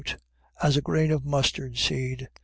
As a grain of mustard seed.